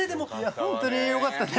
本当によかったね。